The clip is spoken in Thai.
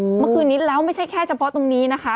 เมื่อคืนนี้แล้วไม่ใช่แค่เฉพาะตรงนี้นะคะ